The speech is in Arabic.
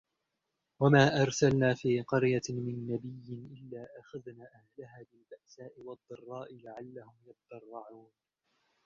وَمَا أَرْسَلْنَا فِي قَرْيَةٍ مِنْ نَبِيٍّ إِلَّا أَخَذْنَا أَهْلَهَا بِالْبَأْسَاءِ وَالضَّرَّاءِ لَعَلَّهُمْ يَضَّرَّعُونَ